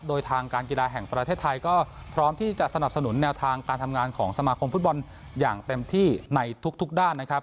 โดยทางการกีฬาแห่งประเทศไทยก็พร้อมที่จะสนับสนุนแนวทางการทำงานของสมาคมฟุตบอลอย่างเต็มที่ในทุกด้านนะครับ